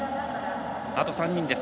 あと３人です。